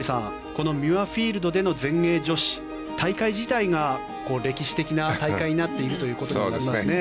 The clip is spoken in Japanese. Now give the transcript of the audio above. このミュアフィールドでの全英女子大会自体が歴史的な大会になっているということになりますね。